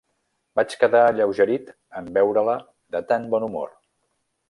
Vaig quedar alleugerit en veure-la de tant bon humor.